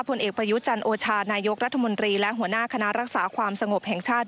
ผลเอกประยุจันโอชานายกรัฐมนตรีและหัวหน้าคณะรักษาความสงบแห่งชาติ